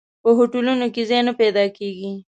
په هوټلونو کې ځای نه پیدا کېږي.